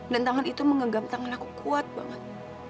dan tangan itu menggegam tangan aku kuat banget